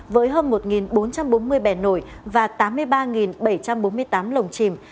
với hơn một bốn trăm bốn mươi bẻ nổi và tám mươi ba bảy trăm bốn mươi tám lồng chìm